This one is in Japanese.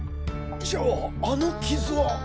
じゃああの傷は。